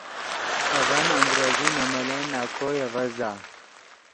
اڤن انگریزی نے ملن نَکوئے اڤزدا۔